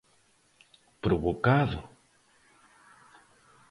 Provocado?